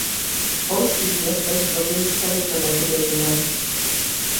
V polských městech s loděnicemi to nebude jiné.